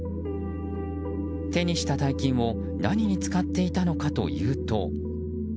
手にした大金を何に使っていたのかというと。